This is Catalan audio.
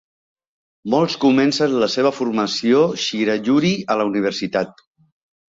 Molts comencen la seva formació Shirayuri a la universitat.